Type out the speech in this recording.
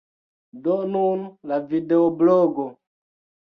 Do nun la videoblogo.